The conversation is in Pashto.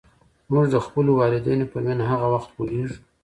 موږ د خپلو والدینو په مینه هغه وخت پوهېږو.